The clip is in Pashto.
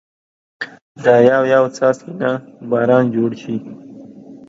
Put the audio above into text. دا يو يو څاڅکي نه باران جوړ شي